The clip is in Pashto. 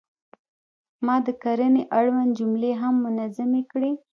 ما د کرنې اړوند جملې هم منظمې کړې.